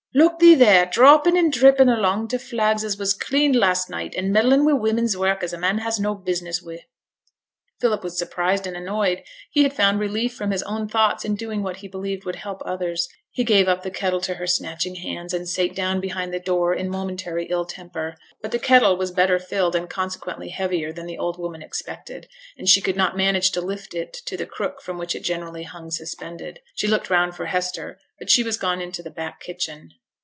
'Look the' there! droppin' and drippin' along t' flags as was cleaned last night, and meddlin' wi' woman's work as a man has no business wi'.' Philip was surprised and annoyed. He had found relief from his own thoughts in doing what he believed would help others. He gave up the kettle to her snatching hands, and sate down behind the door in momentary ill temper. But the kettle was better filled, and consequently heavier than the old woman expected, and she could not manage to lift it to the crook from which it generally hung suspended. She looked round for Hester, but she was gone into the back kitchen.